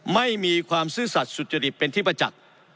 ไม่มีความซื่อสัตว์สุจริตเป็นที่ประจักษ์